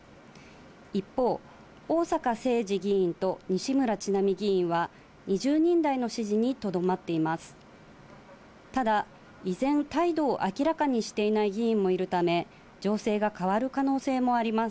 一方、逢坂誠二議員と西村智奈美議員は、２０人台の支持にとどまっています。